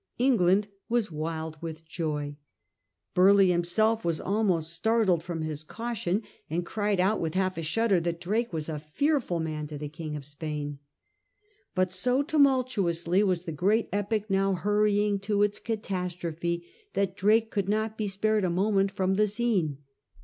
England was wild with joy. Bur leigh'^imself was almost startled from his caution, and 114 SIR FRANCIS DRAKE chap. cried out with half a shudder that Drake was a fearful man to the King of Spain. But so tumultuously was the great epic now hurrying to its catastrophe that Drake could not be spared a moment from the scene.